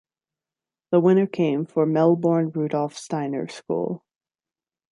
The winner came for Melbourne Rudolf Steiner School.